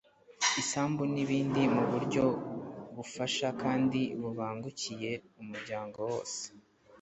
isambu n'ibindi mu buryo bufasha kandi bubangukiye umuryango wose